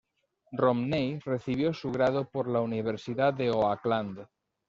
Romney recibió su Grado por la Universidad de Oakland.